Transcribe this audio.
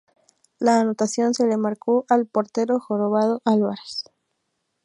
La anotación se la marcó al portero "Jorobado" Álvarez.